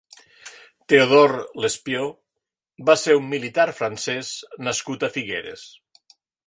Théodore Lespieau va ser un militar francès nascut a Figueres.